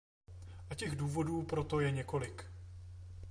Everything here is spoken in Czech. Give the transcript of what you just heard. A těch důvodů pro to je několik.